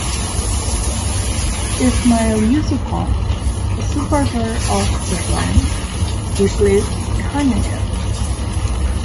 Ismail Yusupov, a supporter of the plan, replaced Kunayev.